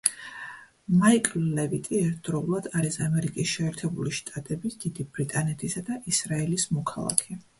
მაიკლ ლევიტი ერთდროულად არის ამერიკის შეერთებული შტატების, დიდი ბრიტანეთისა და ისრაელის მოქალაქე.